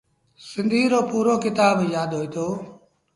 سنڌيٚ رو پورو ڪتآب يآدهوئيٚتو۔